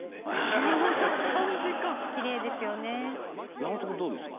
山本君どうですか？